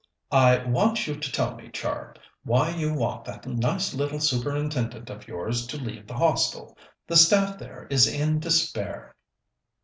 "I want you to tell me, Char, why you want that nice little Superintendent of yours to leave the Hostel. The staff there is in despair."